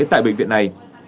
tại bệnh viện này